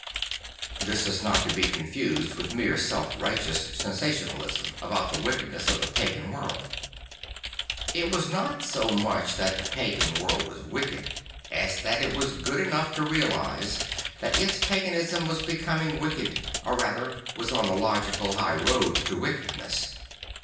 This is not to be confused with mere self righteous sensationalism about the wickedness of the pagan world. I t was not so much that the pagan world was wicked as that it was good enough to realise that its paganism \ vas becoming wicked, or rather was on the logical high road to wickedness.